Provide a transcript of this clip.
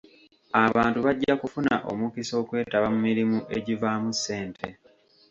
Abantu bajja kufuna omukisa okwetaba mu mirimu egivaamu ssente.